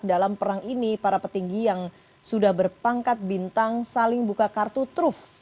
dalam perang ini para petinggi yang sudah berpangkat bintang saling buka kartu truf